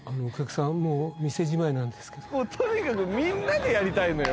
もうとにかくみんなでやりたいのよ